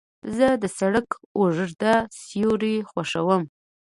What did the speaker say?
زه د سړک اوږده سیوري خوښوم.